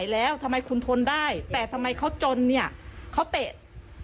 แล้วทำไมคุณทนได้แต่ทำไมเขาจนเนี่ยเขาเตะ